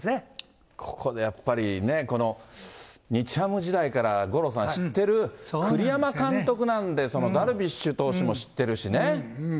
ここでやっぱりね、日ハム時代から、五郎さん、知ってる栗山監督なんで、ダルビッシュ投手も知ってるしね。